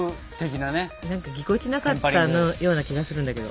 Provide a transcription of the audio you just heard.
なんかぎこちなかったような気がするんだけど。